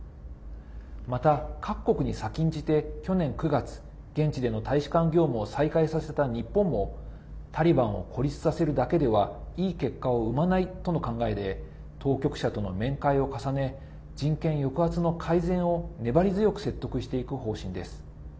また、各国に先んじて去年９月現地での大使館業務を再開させた日本もタリバンを孤立させるだけではいい結果を生まないとの考えで当局者との面会を重ね人権抑圧の改善を粘り強く説得していく方針です。